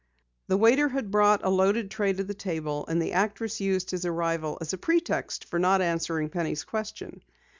The waiter had brought a loaded tray to the table, and the actress used his arrival as a pretext for not answering Penny's question.